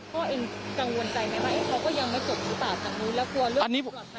พ่อเอ็งกังวลใจไหมไหน